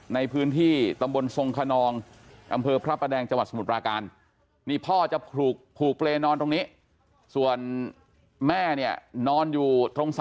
ในพื้นที่ตำบลทรงขนองตำเผอพระประแดงจตน